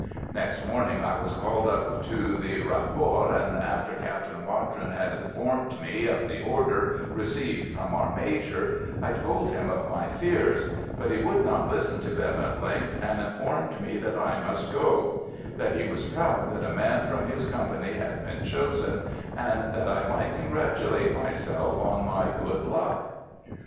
Next morning I was called up to the rapport, and after Captain Watrin had informed me of the order received from our Major, I told him of my fears; but he would not listen to them at length, and informed me that I must go: that he was proud that a man from his company had been chosen, and that I might congratulate myself on my good luck.